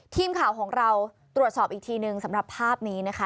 ทีมข่าวของเราตรวจสอบอีกทีนึงสำหรับภาพนี้นะคะ